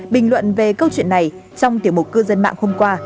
bình luận về câu chuyện này trong tiểu mục cư dân mạng hôm qua